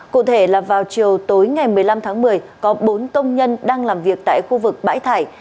cụ thể là vào chiều tối ngày một mươi năm tháng một mươi có bốn công nhân đang làm việc tại khu vực bãi thải